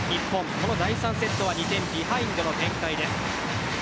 この第３セットは２点ビハインドの展開です。